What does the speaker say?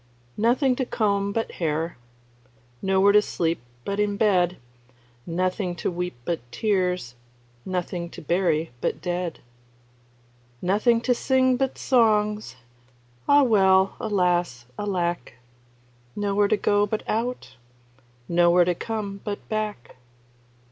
Nothing to comb but hair, Nowhere to sleep but in bed, Nothing to weep but tears, Nothing to bury but dead. Nothing to sing but songs, Ah, well, alas! alack! Nowhere to go but out, Nowhere to come but back.